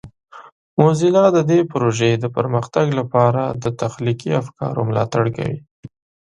موزیلا د دې پروژې د پرمختګ لپاره د تخلیقي افکارو ملاتړ کوي.